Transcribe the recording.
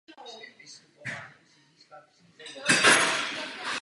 Délka hlavně je pak určena jako násobek její ráže.